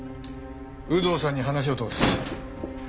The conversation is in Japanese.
有働さんに話を通す。